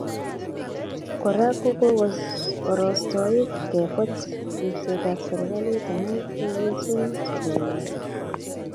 Kora ko koborostoik kekoch ribsetap serkali amu kiywechin sobengwai